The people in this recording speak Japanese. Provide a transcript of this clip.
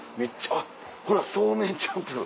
あっほらそうめんチャンプルー。